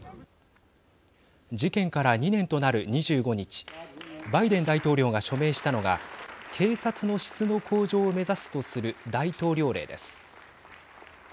事件から２年となる２５日バイデン大統領が署名したのが警察の質の向上を目指すとする大統領令です。